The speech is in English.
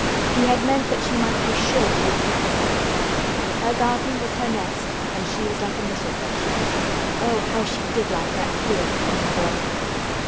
He had meant that she might be sure he would keep her secret. Her garden was her nest and she was like a missel thrush. Oh, how she did like that queer, common boy!